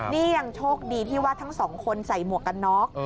นี่ยังโชคดีที่ว่าทั้งสองคนใส่หมวกกันน็อก